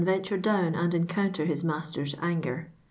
I venture drnvn and oncounter hi« master's nngcr.